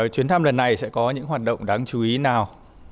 chuyến thăm lần này sẽ có những hoạt động đáng chú ý nào